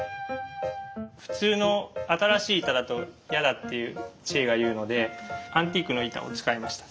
普通の新しい板だと嫌だって千恵が言うのでアンティークの板を使いました。